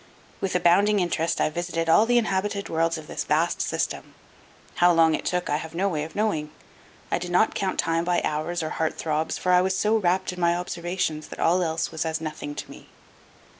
With abounding interest I visited all the inhabited worlds of this vast system. How long it took I have no way of knowing. I did not count time by hours or heart throbs, for I was so wrapt in my observations that all else was as nothing to me.